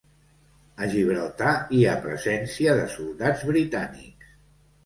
A Gibraltar hi ha presència de soldats britànics.